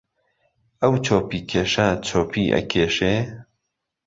ئهو چۆپیکێشه چۆپی ئهکێشێ